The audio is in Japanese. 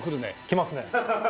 来ますね。